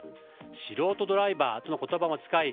素人ドライバーという言葉も使い